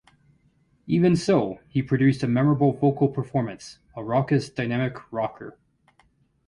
Even so, he produced a memorable vocal performance: a raucous, dynamic rocker.